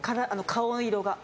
顔色が。